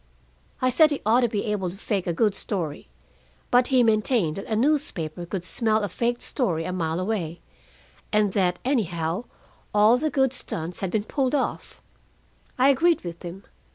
"I said he ought to be able to fake a good story; but he maintained that a newspaper could smell a faked story a mile away, and that, anyhow, all the good stunts had been pulled off. I agreed with him.